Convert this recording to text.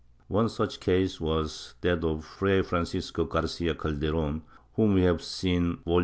One such case was that of Fray Francisco Garcia Calderon whom we have seen (Vol.